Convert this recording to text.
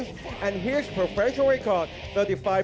และนี่คือพิการภารกิจ๓๕ไฟและ๑ไฟ